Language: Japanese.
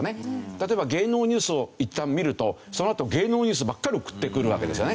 例えば芸能ニュースをいったん見るとそのあと芸能ニュースばっかり送ってくるわけですよね。